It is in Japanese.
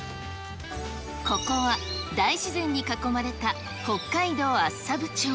ここは大自然に囲まれた北海道厚沢部町。